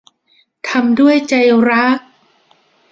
ทำด้วยใจรัก